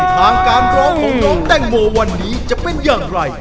ทางการร้องของน้องแตงโมวันนี้จะเป็นอย่างไร